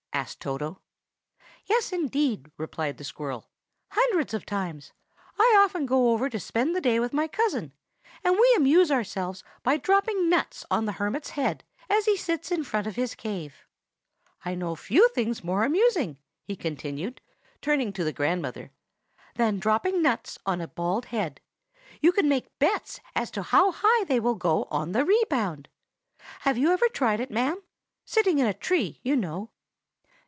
asked Toto. "Yes, indeed!" replied the squirrel, "hundreds of times. I often go over to spend the day with my cousin, and we amuse ourselves by dropping nuts on the hermit's head as he sits in front of his cave. I know few things more amusing," he continued, turning to the grandmother, "than dropping nuts on a bald head. You can make bets as to how high they will go on the rebound. Have you ever tried it, ma'am? sitting in a tree, you know."